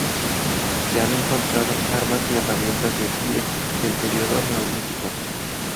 Se han encontrado armas y herramientas de sílex del período Neolítico.